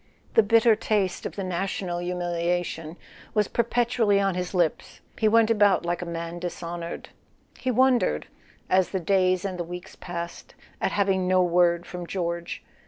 The bitter taste of the national humiliation was perpetually on his lips: he went about like a man dishonoured. He wondered, as the days and the weeks passed, at having no word from George.